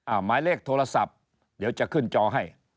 หมายเลขโทรศัพท์เดี๋ยวจะขึ้นจอให้